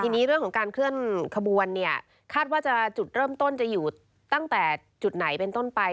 ทีนี้เรื่องของการเคลื่อนขบวนเนี่ยคาดว่าจะจุดเริ่มต้นจะอยู่ตั้งแต่จุดไหนเป็นต้นไป